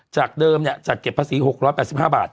จากเดิมเนี่ยจากเก็บภาษี๖๘๕บาท